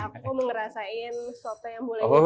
berarti aku ngerasain soto yang boleh ngutang